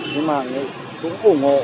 nhưng mà cũng ủng hộ